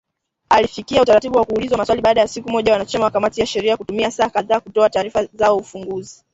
Alifikia utaratibu wa kuulizwa maswali baada ya siku moja, wanachama wa kamati ya sheria kutumia saa kadhaa kutoa taarifa zao ufunguzi